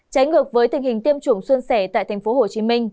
trái ngược với tình hình tiêm chủng xuân sẻ tại tp hcm